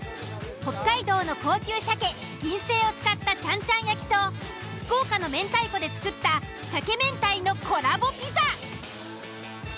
北海道の高級鮭銀聖を使ったちゃんちゃん焼きと福岡の明太子で作った鮭明太のコラボピザ。